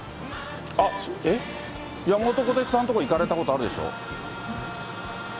山本小鉄さんの所に行かれたことあるでしょう？